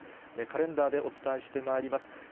カレンダーでお伝えしてまいります。